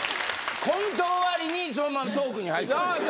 コント終わりにそのままトークに入った。